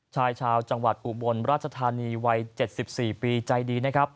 ชายชาวจังหวัดอุบลราชธานีวัย๗๔ปีใจดีนะครับ